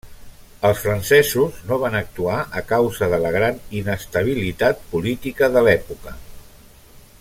Els francesos no van actuar a causa de la gran inestabilitat política de l'època.